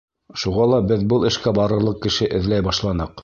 Шуға ла беҙ был эшкә барырлыҡ кеше эҙләй башланыҡ.